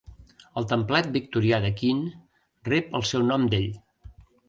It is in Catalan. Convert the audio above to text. El templet victorià de Keene rep el seu nom d'ell.